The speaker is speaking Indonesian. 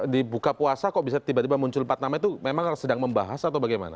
di buka puasa kok bisa tiba tiba muncul empat nama itu memang sedang membahas atau bagaimana